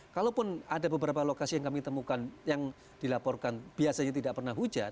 kalaupun ada beberapa lokasi yang kami temukan yang dilaporkan biasanya tidak pernah hujan